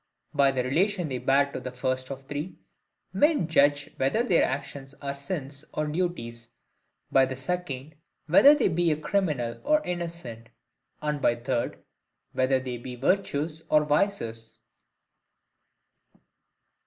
By the relation they bear to the first of these, men judge whether their actions are sins or duties; by the second, whether they be criminal or innocent; and by the third, whether they be virtues or vices.